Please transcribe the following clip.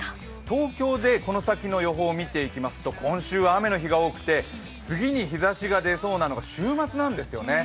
東京でこの先の予報を見ていきますと今週は雨の日が多くて次に日ざしが出そうなのが週末なんですよね。